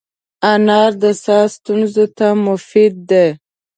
انار د ساه ستونزو ته مفید دی.